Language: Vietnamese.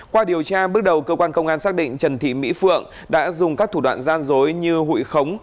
qua điều tra bước đầu cơ quan công an xác định trần thị mỹ phượng đã dùng các thủ đoạn gian dối như hụi khống